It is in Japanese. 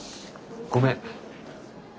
ごめん。